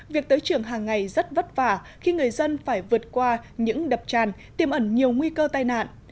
việc tới trường hàng ngày rất vất vả khi người dân phải vượt qua những đập tràn tiêm ẩn nhiều nguy cơ tai nạn